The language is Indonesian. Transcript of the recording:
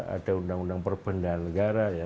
ada undang undang perbendahan negara ya